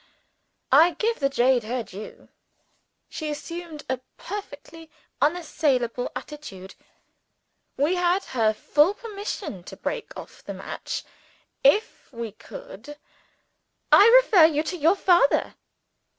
I give the jade her due. She assumed a perfectly unassailable attitude: we had her full permission to break off the match if we could. "I refer you to your father.